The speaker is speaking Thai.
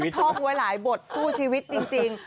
ท่องไว้หลายบทสู้ชีวิตจริง